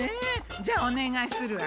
じゃおねがいするわ。